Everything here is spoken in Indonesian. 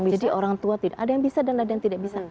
jadi orang tua ada yang bisa dan ada yang tidak bisa